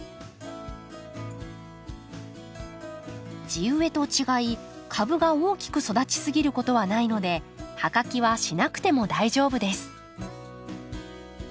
地植えと違い株が大きく育ちすぎることはないので葉かきはしなくても大丈夫です。